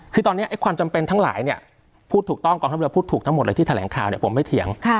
คือตอนนี้ความจำเป็นทั้งหลายเนี่ยพูดถูกต้องกองทัพเรือพูดถูกทั้งหมดเลยที่แถลงข่าวเนี่ยผมไม่เถียง